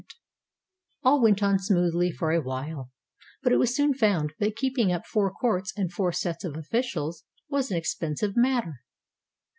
526 CONSTANTINE THE GREAT All went on smoothly for a while, but it was soon found that keeping up four courts and four sets of offi cials was an expensive matter.